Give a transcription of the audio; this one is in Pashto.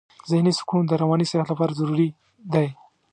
ذهني سکون د رواني صحت لپاره ضروري دی.